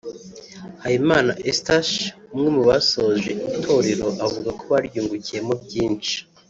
Habimana Eustache umwe mu basoje itorero avuga ko baryungukiyemo byinshi